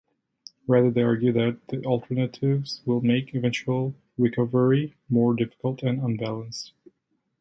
Rather, they argue that the alternatives will make eventual recovery more difficult and unbalanced.